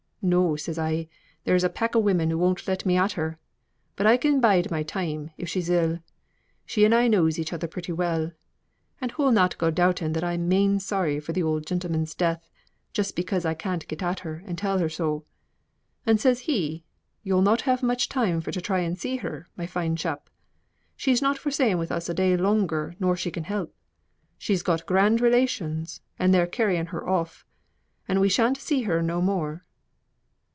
'No,' says I; 'there's a pack o' women who won't let me at her. But I can bide my time, if she's ill. She and I knows each other pretty well; and hoo'l not go doubting that I'm main sorry for th' oud gentleman's death, just because I can't get at her and tell her so.' And says he, 'Yo'll not have much time for to try and see her, my fine chap. She's not for staying with us a day longer nor she can help. She's got grand relations, and they're carrying her off; and we shan't see her no more.